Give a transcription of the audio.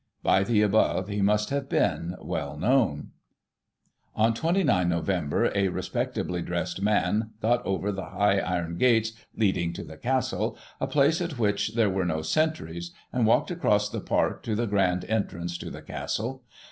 — By the above, he must have been well known. On 29 Nov., a respectably dressed man got over the high iron gates leading to the Castle, a place at which there were no sentries, and walked across the Park, to the grand entrance to the Castle.